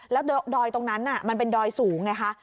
แล้วดอยตรงนั้นมันเป็นดอยสูงไงคะ